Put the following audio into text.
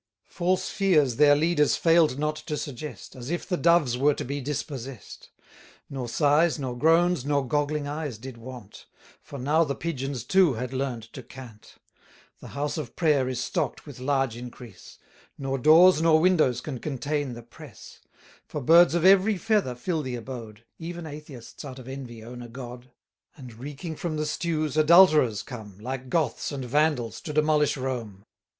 False fears their leaders fail'd not to suggest, As if the Doves were to be dispossess'd; Nor sighs, nor groans, nor goggling eyes did want; For now the Pigeons too had learn'd to cant. The house of prayer is stock'd with large increase; 1210 Nor doors nor windows can contain the press: For birds of every feather fill the abode; Even Atheists out of envy own a God: And, reeking from the stews, adulterers come, Like Goths and Vandals to demolish Rome.